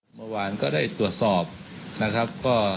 เมื่อวานก็ได้ตรวจสอบนะครับ